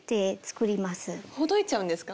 ほどいちゃうんですか？